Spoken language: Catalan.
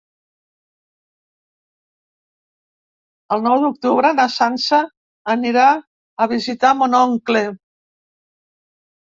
El nou d'octubre na Sança anirà a visitar mon oncle.